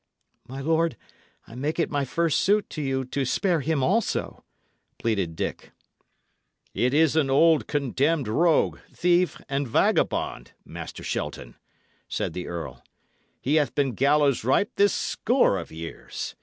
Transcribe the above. "My lord, I make it my first suit to you to spare him also," pleaded Dick. "It is an old, condemned rogue, thief, and vagabond, Master Shelton," said the earl. "He hath been gallows ripe this score of years.